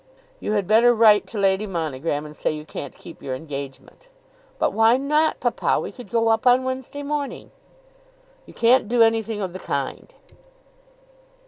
"You had better write to Lady Monogram and say you can't keep your engagement." "But why not, papa? We could go up on Wednesday morning." "You can't do anything of the kind."